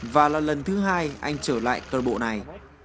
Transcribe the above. và là lần thứ hai anh trở lại cờ bộ này